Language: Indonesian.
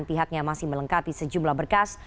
pihaknya masih melengkapi sejumlah berkas